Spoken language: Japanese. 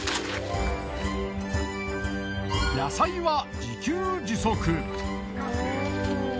野菜は自給自足。